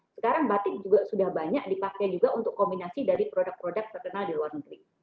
sekarang batik juga sudah banyak dipakai juga untuk kombinasi dari produk produk terkenal di luar negeri